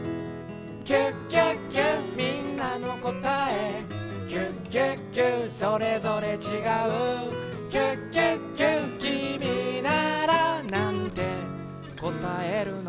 「キュキュキュみんなのこたえ」「キュキュキュそれぞれちがう」「キュキュキュきみならなんてこたえるの？」